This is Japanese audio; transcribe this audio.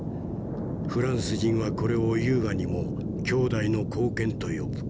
フランス人はこれを優雅にも兄弟の貢献と呼ぶ。